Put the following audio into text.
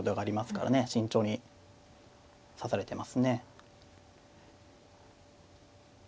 慎重に指されてますね。